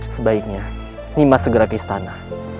sebaiknya nimas segera ke istana